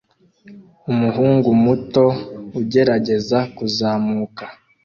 umuhungu muto ugerageza kuzamuka